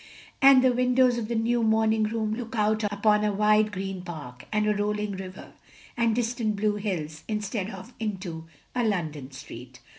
And the windows of the new morning room look out upon a wide, green park, and a rolling river, and distant blue hills, instead of into a London street.